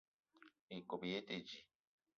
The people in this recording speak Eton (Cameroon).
Ikob í yé í te dji.